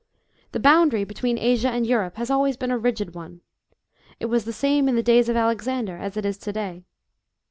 The boundary between Asia and Europe has always been a rigid one. It was tha same in the days of Alexander as it is to day.